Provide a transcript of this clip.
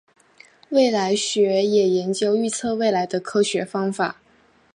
未来学也研究预测未来的科学方法。